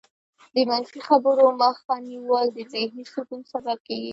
د منفي خبرو مخه نیول د ذهني سکون سبب کېږي.